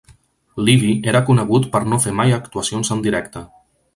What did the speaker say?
Leevi era conegut per no fer mai actuacions en directe.